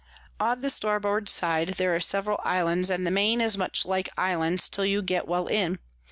On the Starboard side there are several Islands, and the Main is much like Islands, till you get well in.